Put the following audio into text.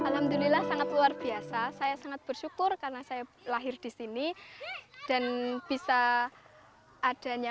hai alhamdulillah sangat luar biasa saya sangat bersyukur karena saya lahir di sini dan bisa adanya